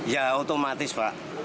ya otomatis pak